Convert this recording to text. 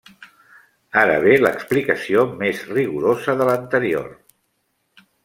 Ara ve l'explicació més rigorosa de l'anterior.